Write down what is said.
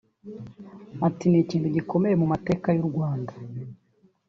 Ati “Ni ikintu gikomeye mu mateka y’u Rwanda